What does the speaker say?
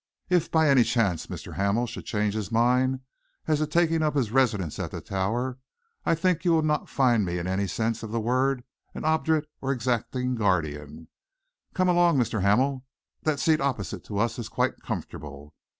If, by any chance, Mr. Hamel should change his mind as to taking up his residence at the Tower, I think you would not find me in any sense of the word an obdurate or exacting guardian. Come along, Mr. Hamel. That seat opposite to us is quite comfortable.